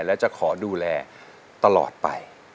และจะขอดูแลตลอดไป